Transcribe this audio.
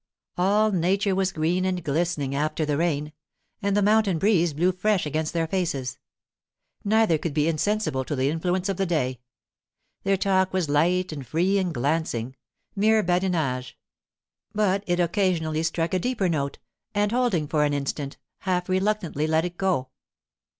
All nature was green and glistening after the rain, and the mountain breeze blew fresh against their faces. Neither could be insensible to the influence of the day. Their talk was light and free and glancing—mere badinage; but it occasionally struck a deeper note, and holding it for an instant, half reluctantly let it go.